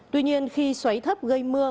tuy nhiên khi xoáy thấp gây mưa